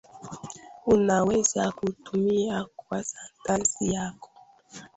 Unaweza kutumia kwa sentensi yako